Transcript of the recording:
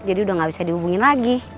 jadi udah gak bisa dihubungin lagi